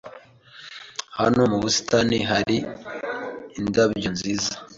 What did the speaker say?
Hano mu busitani hari indabyo nziza.